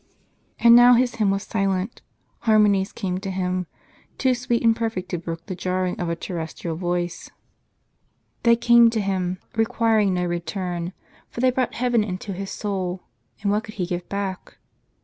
And now his hymn was silent; harmonies came to him, too sweet and perfect to brook the jarring of a terrestrial voice ; they came to him, requiring no return ; for they brought heaven into his soul ; and what could he give back